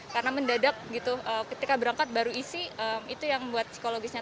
karena mendadak gitu ketika berangkat baru isi itu yang membuat psikologisnya